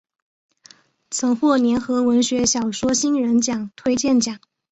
曾获联合文学小说新人奖推荐奖。